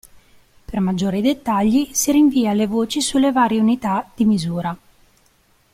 Per maggiori dettagli si rinvia alle voci sulle varie unità i misura.